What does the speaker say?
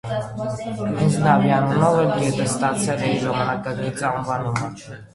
Հենց նավի անունով էլ գետը ստացել է իր ժամանակակից անվանումը։